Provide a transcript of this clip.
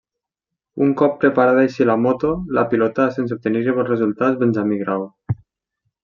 Un cop preparada així la moto, la pilotà sense obtenir-hi bons resultats Benjamí Grau.